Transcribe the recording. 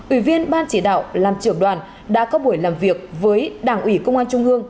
ủy viên ban chỉ đạo làm trưởng đoàn đã có buổi làm việc với đảng ủy công an trung ương